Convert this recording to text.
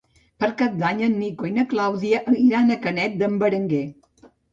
Per Cap d'Any en Nico i na Clàudia iran a Canet d'en Berenguer.